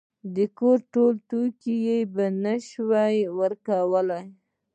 د کور ټول توکي یې په نشو ورکړل.